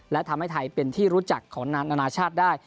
และทำให้ไทยเป็นที่รู้จักของนานนานาชาติได้